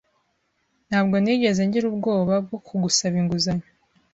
Ntabwo nigeze ngira ubwoba bwo kugusaba inguzanyo.